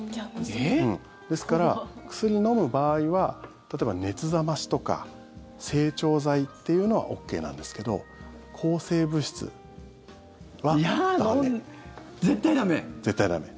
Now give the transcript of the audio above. ええっ？ですから、薬を飲む場合は例えば、熱冷ましとか整腸剤というのはＯＫなんですが抗生物質は駄目。